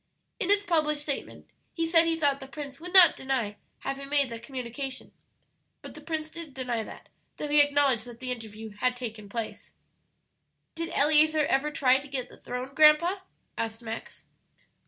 "In his published statement he said he thought the Prince would not deny having made that communication. But the Prince did deny that, though he acknowledged that the interview had taken place." "Did Eleazer ever try to get the throne, grandpa?" asked Max.